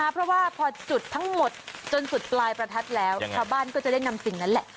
เพราะว่าพอจุดทั้งหมดจนจุดปลายประทัดแล้วชาวบ้านก็จะได้นำสิ่งนั้นแหละ